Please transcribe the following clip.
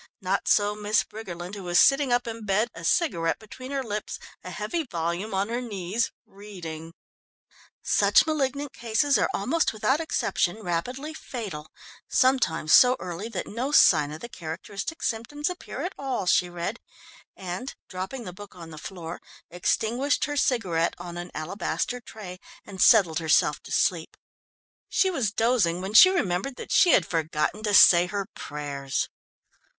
Not so Miss Briggerland, who was sitting up in bed, a cigarette between her lips, a heavy volume on her knees, reading: "Such malignant cases are almost without exception rapidly fatal, sometimes so early that no sign of the characteristic symptoms appear at all," she read and, dropping the book on the floor, extinguished her cigarette on an alabaster tray, and settled herself to sleep. She was dozing when she remembered that she had forgotten to say her prayers.